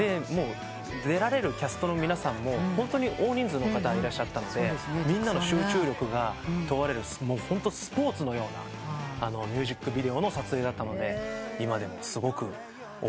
出られるキャストの皆さんもホントに大人数の方いらっしゃったのでみんなの集中力が問われるホントスポーツのようなミュージックビデオの撮影だったので今でもすごく覚えてますね。